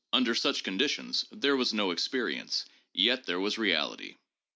Under such conditions there was no experience, yet there was reality.